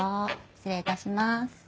失礼いたします。